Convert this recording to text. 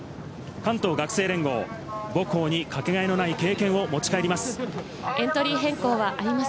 関東学生連合、母校にかけがえのない経験を持ち帰ります。